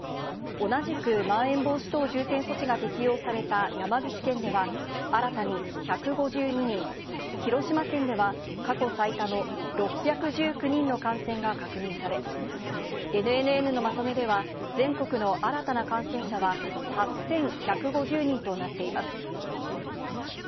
同じくまん延防止等重点措置が適用された山口県では、新たに１５２人、広島県では過去最多の６１９人の感染が確認され、ＮＮＮのまとめでは、全国の新たな感染者は８１５０人となっています。